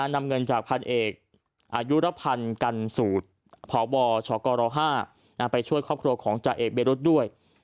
นำเงินจากพันเอกอายุรพันธ์กันสูตรพบชกร๕ไปช่วยครอบครัวของจ่าเอกเบรุษด้วย